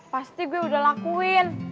pasti gue udah lakuin